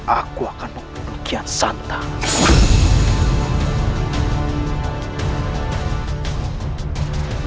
aku akan membunuh kian santan